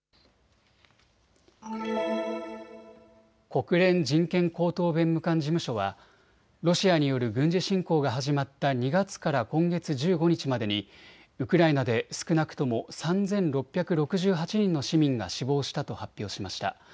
国連人権高等弁務官事務所はロシアによる軍事侵攻が始まった２月から今月１５日までにウクライナで少なくとも３６６８人の市民が死亡したと発表しました。